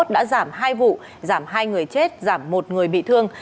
đã giảm hai vụ giảm hai người chết giảm một người bị thương